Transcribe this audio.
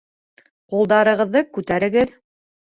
Ҡулдарығыҙҙы күтәрегеҙ!